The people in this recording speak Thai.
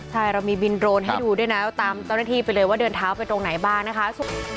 ใช่เรามีบินโรนให้ดูด้วยนะตามเจ้าหน้าที่ไปเลยว่าเดินเท้าไปตรงไหนบ้างนะคะ